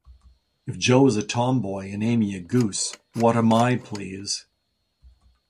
If Jo is a tom-boy, and Amy a goose, what am I, please?